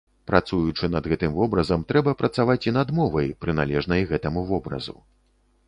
Працуючы над гэтым вобразам, трэба працаваць і над мовай, прыналежнай гэтаму вобразу.